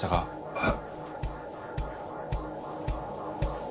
えっ？